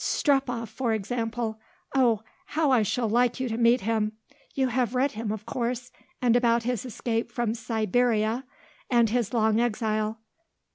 Strepoff, for example; oh how I shall like you to meet him. You have read him, of course, and about his escape from Siberia and his long exile."